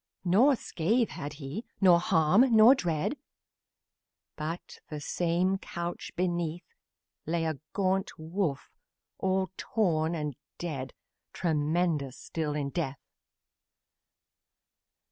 Nor scratch had he, nor harm, nor dread, But, the same couch beneath, Lay a great wolf, all torn and dead Tremendous still in death.